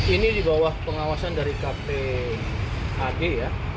ini di bawah pengawasan dari kpad ya